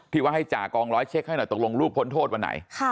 ว่าให้จ่ากองร้อยเช็คให้หน่อยตกลงลูกพ้นโทษวันไหน